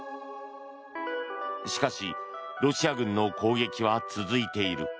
しかし、ロシア軍の攻撃は続いている。